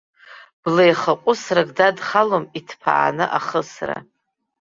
Блеихаҟәысрак дадхалом иҭԥааны ахысра.